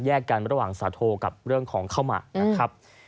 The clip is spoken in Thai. กันระหว่างสาโทกับเรื่องของข้าวหมากนะครับ